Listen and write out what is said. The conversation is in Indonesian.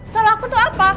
salah aku tuh apa